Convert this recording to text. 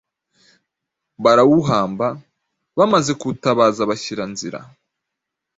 barawuhamba. Bamaze kuwutabaza bashyira nzira,